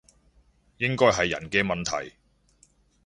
應該係人嘅問題